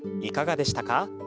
いかがでしたか？